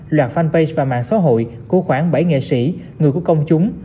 loạt fanpage và mạng xã hội của khoảng bảy nghệ sĩ người của công chúng